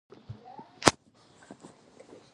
د انټرنیټ خدمات مخ په پراخیدو دي